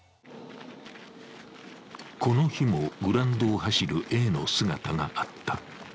この日もグラウンドを走るＡの姿があった。